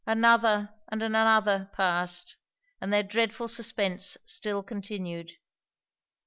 Another and another passed, and their dreadful suspence still continued.